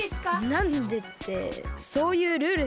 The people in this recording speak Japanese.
なんでってそういうルールだから。